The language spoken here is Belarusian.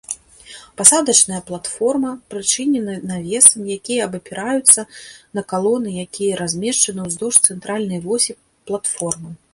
Пасадачная платформа прычынена навесам, якія абапіраюцца на калоны, якія размешчаны ўздоўж цэнтральнай восі платформы.